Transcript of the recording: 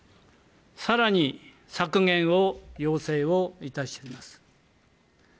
さらに削減を要請をいたします。